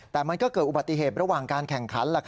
แต่มันก็เกิดอุบัติเหตุระหว่างการแข่งขัน